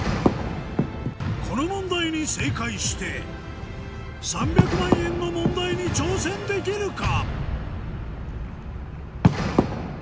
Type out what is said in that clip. この問題に正解して３００万円の問題に挑戦できるか？